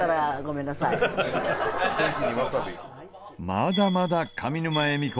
まだまだ上沼恵美子